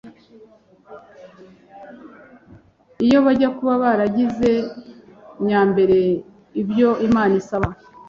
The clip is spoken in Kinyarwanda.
Iyo bajya kuba baragize nyambere ibyo Imana isaba,